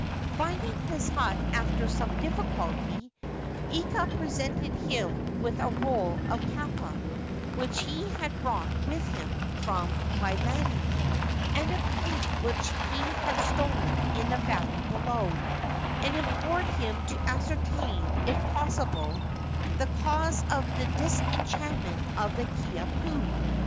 Finding his hut after some difficulty, Ika presented him with a roll of kapa which he had brought with him from Waolani, and a pig which he had stolen in the valley below, and implored him to ascertain, if possible, the cause of the disenchantment of the Kiha pu.